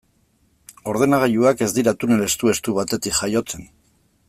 Ordenagailuak ez dira tunel estu-estu batetik jaiotzen.